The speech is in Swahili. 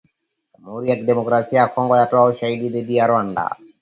Jamhuri ya Kidemokrasia ya kongo yatoa ushahidi dhidi ya Rwanda.